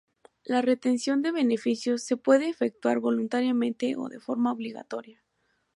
La retención de beneficios se puede efectuar voluntariamente o de forma obligatoria.